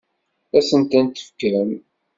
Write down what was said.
Ad asent-ten-tefkem?